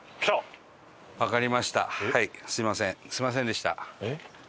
すみませんでした。